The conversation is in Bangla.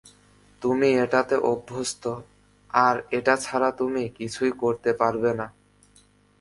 তুমি এটাতে অভ্যস্ত, আর এটা ছাড়া তুমি কিছুই করতে পারবে না।